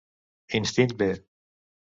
Instint b